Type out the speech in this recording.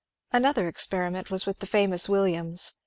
Another experiment was with the famous Williams.